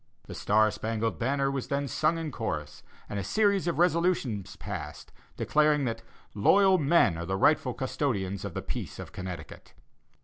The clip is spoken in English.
'The Star Spangled Banner' was then sung in chorus, and a series of resolutions passed, declaring that 'loyal men are the rightful custodians of the peace of Connecticut.